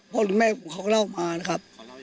พ่อรุ่นแม่เขาก็เล่ามานะครับ